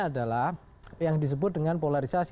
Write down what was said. adalah yang disebut dengan polarisasi